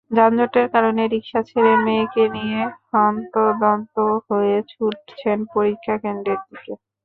যানজটের কারণে রিকশা ছেড়ে মেয়েকে নিয়ে হন্তদন্ত হয়ে ছুটছেন পরীক্ষাকেন্দ্রের দিকে।